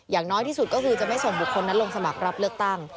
อย่างน้อยที่สุดก็คือจะไม่ส่งบุคคลนั้นลงสมัครรับเลือกตั้ง